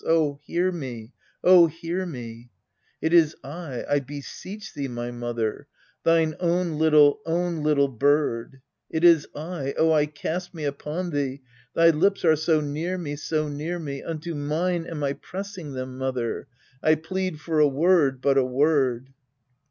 oh, hear me, oh, hear me ! It is I I beseech thee, my mother ! thine own little, own little bird ! It is 1 oh, I cast me upon thee thy lips are so near me, so near me, Unto mine am I pressing them, mother ! I plead for a word but a word